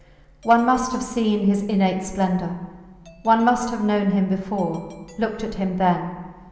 One must have seen his innate splendour, one must have known him before looked at him then.